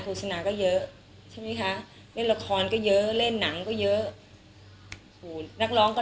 โศนาก็เยอะใช่ไหมคะเล่นละครก็เยอะเล่นหนังก็เยอะนักร้องก็